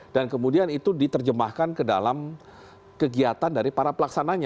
dan kemudian itu diterjemahkan ke dalam kegiatan dari para pelaksananya